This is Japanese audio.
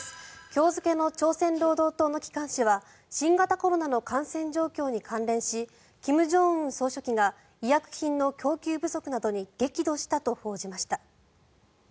今日付の朝鮮労働党の機関紙は新型コロナの感染状況に関連し金正恩総書記が医薬品の供給不足などに激怒したと報じました。